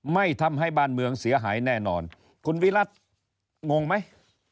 ไม่ทำให้บ้านเมืองเสียหายแน่นอนคุณวิรัติงงไหม